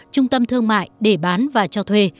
trung tâm thương mại để bán và cho thuê